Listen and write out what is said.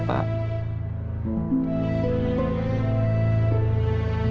bapak akan untuk melihat kebaikan